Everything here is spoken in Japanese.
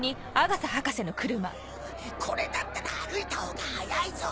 これだったら歩いたほうが速いぞ。